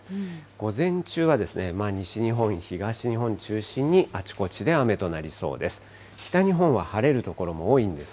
午前中は西日本、東日本中心にあちこちで雨となりそうです。